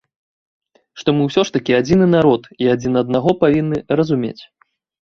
Што мы ўсё ж такі адзіны народ і адзін аднаго павінны разумець.